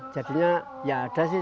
jadinya ya ada sih